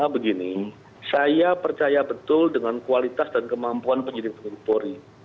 begini saya percaya betul dengan kualitas dan kemampuan penyelidikan pnpori